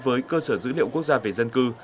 với cơ sở dữ liệu quốc gia về dân cư